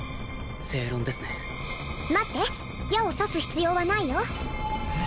正論ですね待って矢を刺す必要はないよえっ？